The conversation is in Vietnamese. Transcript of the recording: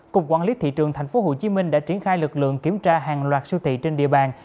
cục quản lý thị trường tp hcm đã triển khai lực lượng kiểm tra hàng loạt siêu thị trên địa bàn